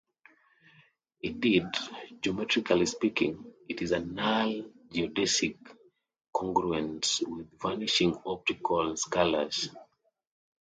Indeed, geometrically speaking, it is a null geodesic congruence with vanishing optical scalars.